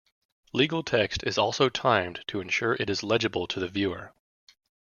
Legal text is also timed to ensure it is legible to the viewer.